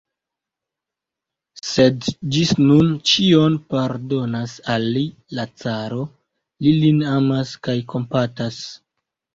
Sed ĝis nun ĉion pardonas al li la caro: li lin amas kaj kompatas.